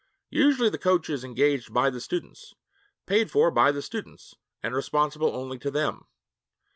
Usually the coach is engaged by the students, paid for by the students, and responsible only to them.